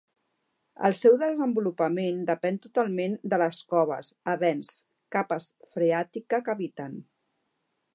El seu desenvolupament depèn totalment de les coves, avens, capes freàtica que habiten.